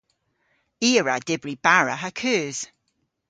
I a wra dybri bara ha keus.